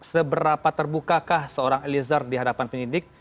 seberapa terbukakah seorang elizar dihadapan penyidik